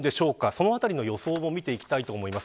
そのあたりの予想を見ていきたいと思います。